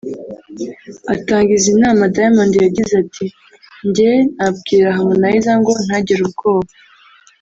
Atanga izi nama Diamond yagize ati”Njye nabwira Harmonize ngo ntagire ubwoba